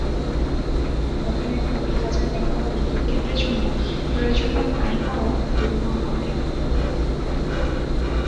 ওখানে এখন দুই হাজার মেগাওয়াট বিদ্যুৎকেন্দ্রের জন্য প্রয়োজনীয় পানি পাওয়াও দুরূহ হবে।